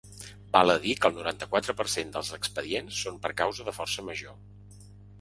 Val a dir que el noranta-quatre per cent dels expedients són per causa de força major.